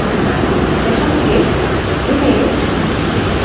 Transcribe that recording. ¿ Es un qué? ¿ qué es?